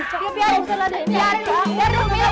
udah biarin biarin